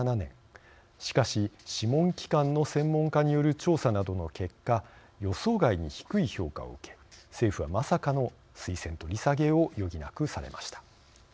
しかし、諮問機関の専門家による調査などの結果予想外に低い評価を受け政府は、まさかの推薦取り下げを余儀なくされました。